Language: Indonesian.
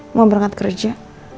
mau berangkat kerja